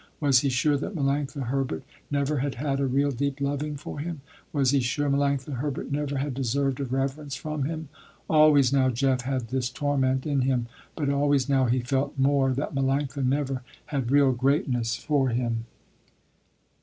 Was he sure that Melanctha Herbert never had had a real deep loving for him. Was he sure Melanctha Herbert never had deserved a reverence from him. Always now Jeff had this torment in him, but always now he felt more that Melanctha never had real greatness for him.